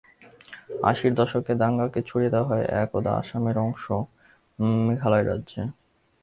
আশির দশকে দাঙ্গাকে ছড়িয়ে দেওয়া হয় একদা আসামের অংশ মেঘালয় রাজ্যে।